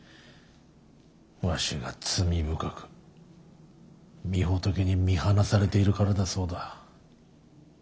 わしが罪深く御仏に見放されているからだそうだ。